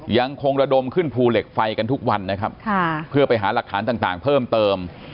ยังคงระดมขึ้นภูเหล็กไฟกันทุกวันนะครับเพื่อไปหาหลักฐานต่างเพิ่มเติม